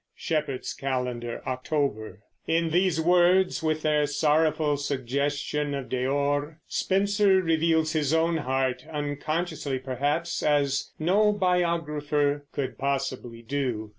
Shepherd's Calendar, October In these words, with their sorrowful suggestion of Deor, Spenser reveals his own heart, unconsciously perhaps, as no biographer could possibly do.